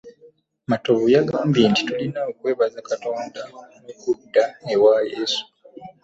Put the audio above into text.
Matovu yagambye nti tulina okwebaza Katonda n'okudda ewa Yesu